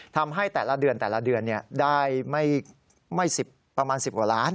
ทำให้แต่ละเดือนได้ประมาณ๑๐กว่าล้าน